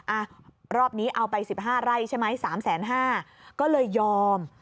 อ่ะรอบนี้เอาไป๑๕ไร่ใช่ไหม๓๕๐๐ก็เลยยอม